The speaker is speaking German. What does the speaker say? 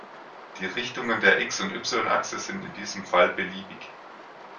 Die Richtungen der x- und y-Achse sind in diesem Fall beliebig.